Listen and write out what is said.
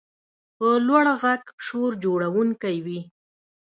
په لوړ غږ شور جوړونکی وي.